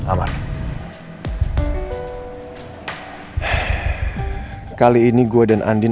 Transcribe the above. apa bapak ketangkep